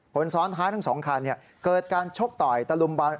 คนซ้อนท้ายทั้งสองคันเกิดการชกต่อยตะลุมบอล